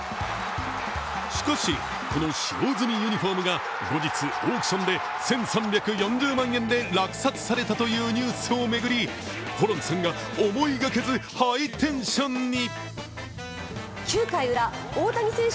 しかし、この使用済みユニフォームが後日、オークションで１３４０万円で落札されたというニュースを巡り、ホランさんが思いがけずハイテンションに。